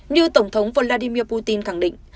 như tổng thống vladimir putin khẳng định